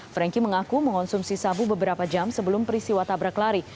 frankie mengaku mengonsumsi sabu beberapa jam sebelum perisiwa tabrak lari